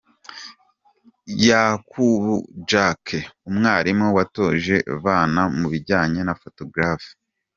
Yakubu Jack, umwarimu watoje aba bana mu bijyanye na Photographie.